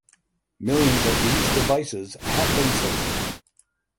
Millions of these devices have been sold.